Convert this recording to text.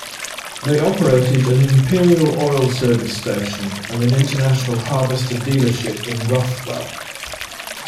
They operated an Imperial Oil service station and an International Harvester dealership in Rathwell.